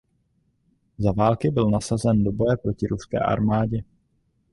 Za války byl nasazen do boje proti ruské armádě.